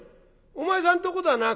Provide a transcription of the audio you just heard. お前さんとこだな